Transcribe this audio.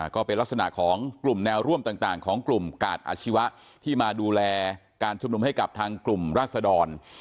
ก็เป็นลักษณะของกลุ่มแนวร่วมต่างของกลุ่มกาดอาชีวะที่มาดูแลการชุมนุมให้กับทางกลุ่มราศดร